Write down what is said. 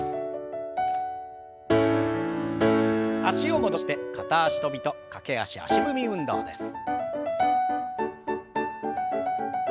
脚を戻して片足跳びと駆け足足踏み運動です。